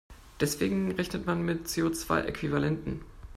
Deswegen rechnet man mit CO-zwei-Äquivalenten.